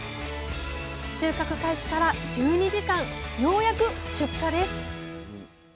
収穫開始から１２時間ようやく出荷です。